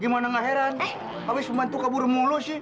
gimana gak heran habis membantu kabur mulu sih